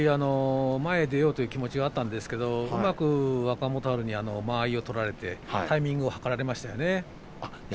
前に出ようという気持ちがあったんですけれどうまく若元春に間合いを取られてタイミングを計られましたね。